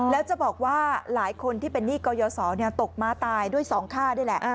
แล้วจะบอกว่าหลายคนที่เป็นหนี้กยศตกม้าตายด้วยสองค่านี่แหละ